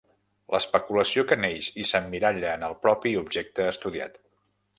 L'especulació que neix i s'emmiralla en el propi objecte estudiat.